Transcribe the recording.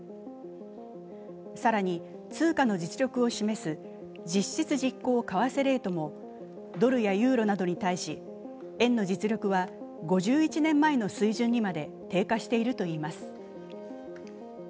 更に、通貨の実力を示す実質実効為替レートもドルやユーロなどに対し円の実力は５１年前の水準にまで低下しているといいます。